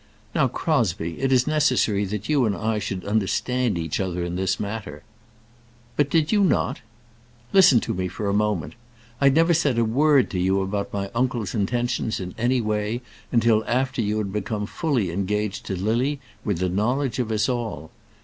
"Now, Crosbie, it is necessary that you and I should understand each other in this matter " "But did you not?" "Listen to me for a moment. I never said a word to you about my uncle's intentions in any way, until after you had become fully engaged to Lily with the knowledge of us all.